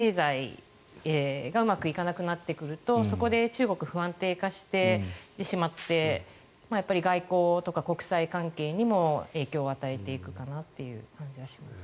経済がうまくいかなくなってくると中国が不安定化してしまってやっぱり外交とか国際関係にも影響を与えていくかなっていう感じがしますね。